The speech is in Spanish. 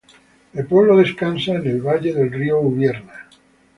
El pueblo descansa en el valle del río Ubierna.